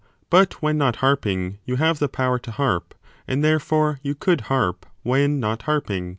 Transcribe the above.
But when not harping, you have the power to harp : and therefore you could harp when not harping.